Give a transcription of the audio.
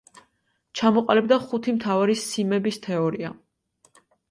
ჩამოყალიბდა ხუთი მთავარი სიმების თეორია.